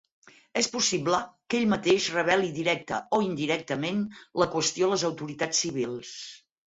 És possible que ell mateix reveli directa o indirectament la qüestió a les autoritats civils.